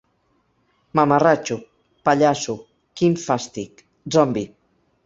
Mamarratxo’, ‘pallasso’, ‘quin fàstic’, ‘zombi’.